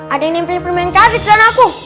ada yang nimpin permain karit sama aku